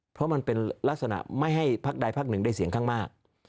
เพราะมันเป็นลักษณะไม่ให้พักใดพักหนึ่งได้เสียงข้างมาก